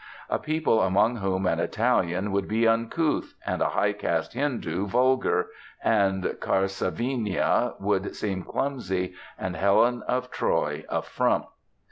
A people among whom an Italian would be uncouth, and a high caste Hindu vulgar, and Karsavina would seem clumsy, and Helen of Troy a frump.